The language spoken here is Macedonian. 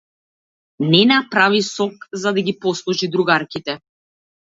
Нена прави сок за да ги послужи другарките.